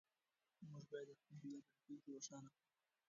موږ باید د خپل هېواد راتلونکې روښانه کړو.